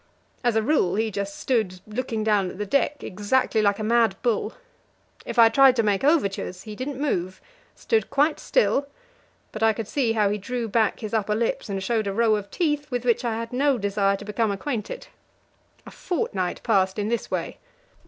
As a rule, he just stood looking down at the deck exactly like a mad bull. If I tried to make overtures, he didn't move stood quite still; but I could see how he drew back his upper lip and showed a row of teeth, with which I had no desire to become acquainted. A fortnight passed in this way.